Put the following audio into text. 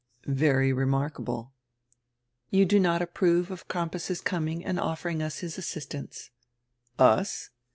"Very remarkable." "You do not approve of Crampas's coming and offering us his assistance." "Us?"